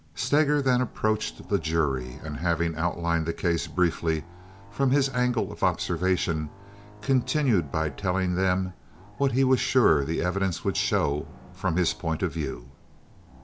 Steger then approached the jury, and, having outlined the case briefly from his angle of observation, continued by telling them what he was sure the evidence would show from his point of view.